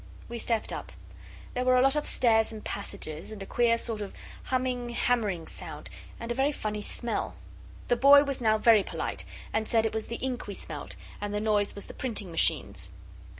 We stepped up. There were a lot of stairs and passages, and a queer sort of humming, hammering sound and a very funny smell. The boy was now very polite, and said it was the ink we smelt, and the noise was the printing machines.